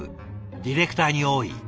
ディレクターに多い。